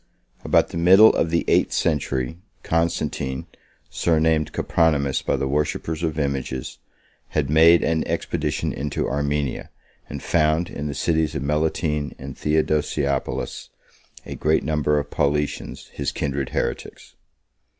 About the middle of the eight century, Constantine, surnamed Copronymus by the worshippers of images, had made an expedition into Armenia, and found, in the cities of Melitene and Theodosiopolis, a great number of Paulicians, his kindred heretics.